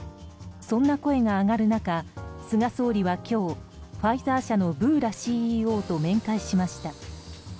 そんな声が上がる中菅総理は今日ファイザー社のブーラＣＥＯと面会しました。